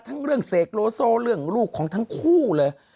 เรื่องเสกโลโซเรื่องลูกของทั้งคู่เลย